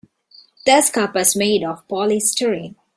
This cup is made of polystyrene.